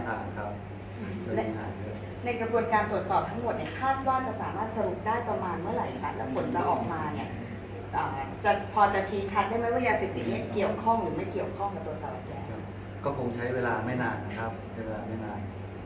ในกระบวนการตรวจสอบทั้งหมดเนี่ยคาดว่าจะสามารถสรุปได้ประมาณเมื่อไหร่ครับแต่ผลจะออกมาเนี่ยพอจะชี้ชัดได้ไหมว่ายาศิษย์นี้เกี่ยวข้องหรือไม่เกี่ยวข้องกับตัวสวัสดิ์แยก